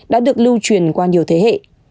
đã được lưu truyền qua nhiều thế hệ